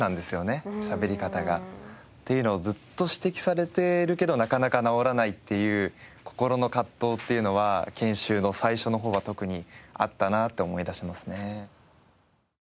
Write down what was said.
喋り方が。っていうのをずっと指摘されてるけどなかなか直らないっていう心の葛藤っていうのは研修の最初の方は特にあったなって思い出しますね。